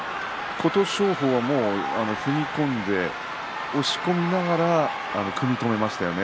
琴勝峰は踏み込んで押し込みながら組み止めましたよね。